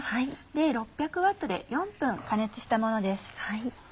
６００Ｗで４分加熱したものです。